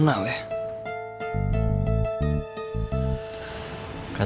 suara kayak kenal